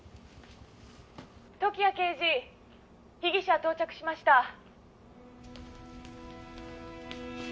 「時矢刑事」「被疑者到着しました」